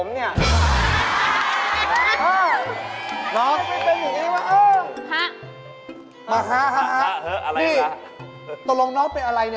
แต่ว่าอยากเป็นผู้ชายฮะ